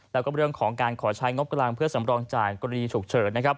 แล้วก็เรื่องของการขอใช้งบกลางเพื่อสำรองจ่ายกรณีฉุกเฉินนะครับ